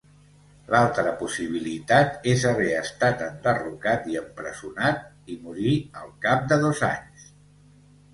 L'altre possibilitat és haver estat enderrocat i empresonat, i morí al cap de dos anys.